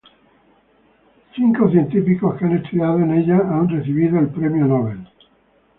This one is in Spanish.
Cinco científicos que han estudiando en ella han recibido el premio Nobel.